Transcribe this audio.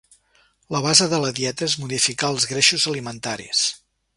La base de la dieta és modificar els greixos alimentaris.